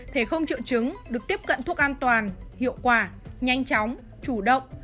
thể không triệu chứng được tiếp cận thuốc an toàn hiệu quả nhanh chóng chủ động